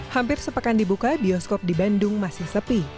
hampir sepekan dibuka bioskop di bandung masih sepi